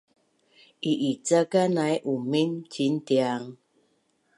I’icakanai Umin ciin Tiang?